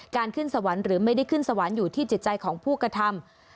ขึ้นสวรรค์หรือไม่ได้ขึ้นสวรรค์อยู่ที่จิตใจของผู้กระทำ